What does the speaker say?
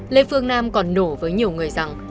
lê phương nam còn nổ với nhiều người rằng